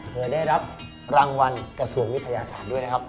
เคยได้รับรางวัลกระทรวงวิทยาศาสตร์ด้วยนะครับ